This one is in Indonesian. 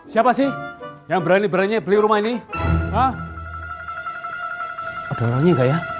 siapa sih yang berani beraninya beli rumah ini